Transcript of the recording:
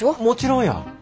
もちろんや！